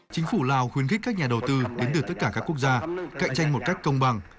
chính phủ lào khuyến khích các nhà đầu tư đến từ tất cả các quốc gia cạnh tranh một cách công bằng